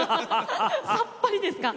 さっぱりですか。